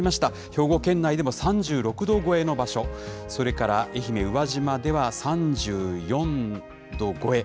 兵庫県内でも３６度超えの場所、それから愛媛・宇和島では３４度超え。